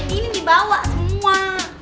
ini dibawa semua